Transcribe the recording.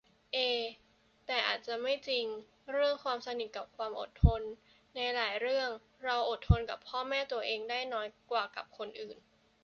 เอ แต่อาจจะไม่จริง เรื่องความสนิทกับความอดทน ในหลายเรื่องเราอดทนกับพ่อแม่ตัวเองได้น้อยกว่ากับคนอื่น